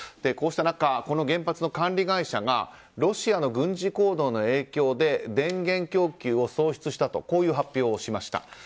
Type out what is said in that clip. こうした中この原発の管理会社がロシアの軍事行動の影響で電源供給を喪失したという発表をしました。